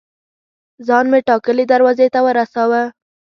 ځان مې ټاکلي دروازې ته ورساوه.